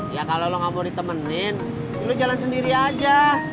ya kalau lo gak mau ditemenin lo jalan sendiri aja